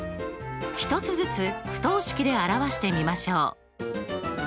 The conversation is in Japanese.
１つずつ不等式で表してみましょう。